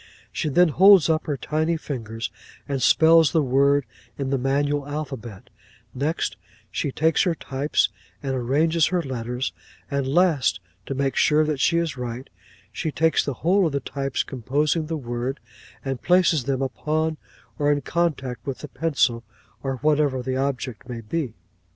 She then holds up her tiny fingers, and spells the word in the manual alphabet; next, she takes her types and arranges her letters; and last, to make sure that she is right, she takes the whole of the types composing the word, and places them upon or in contact with the pencil, or whatever the object may be."